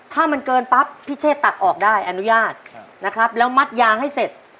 ถ้ามันเกินปั๊บพิเชษตักออกได้อนุญาตนะครับแล้วมัดยางให้เสร็จ